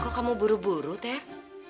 kok kamu buru buru ter